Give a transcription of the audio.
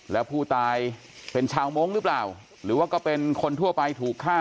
แล้วผู้ตายเป็นชาวมงค์หรือเปล่าหรือว่าก็เป็นคนทั่วไปถูกฆ่า